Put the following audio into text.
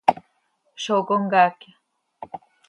¿Zó comcaacya?